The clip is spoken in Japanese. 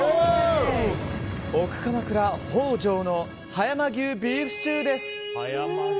奥鎌倉北條の葉山牛ビーフシチューです。